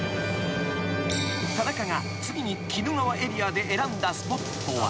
［田中が次に鬼怒川エリアで選んだスポットは］